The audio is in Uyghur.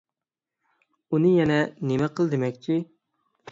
ئۇنى يەنە نېمە قىل دېمەكچى؟